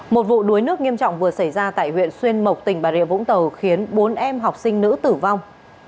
một vụ đuối nước nghiêm trọng vừa xảy ra tại huyện xuyên mộc tỉnh bà rịa vũng tàu khiến bốn em học sinh nữ tử vong